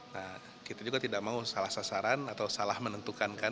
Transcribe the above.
nah kita juga tidak mau salah sasaran atau salah menentukan kan